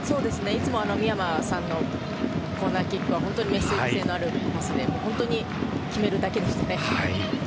いつも宮間さんのコーナーキックはメッセージ性のあるパスで本当に決めるだけでしたね。